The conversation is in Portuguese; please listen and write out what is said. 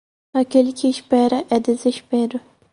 Aquele que espera é desespero.